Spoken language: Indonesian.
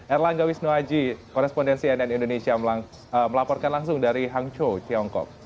erlangga wisnuaji korespondensi nn indonesia melaporkan langsung dari hangzhou tiongkok